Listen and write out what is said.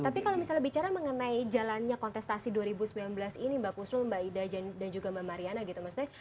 tapi kalau misalnya bicara mengenai jalannya kontestasi dua ribu sembilan belas ini mbak kusrul mbak ida dan juga mbak mariana gitu maksudnya